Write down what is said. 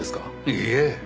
いいえ。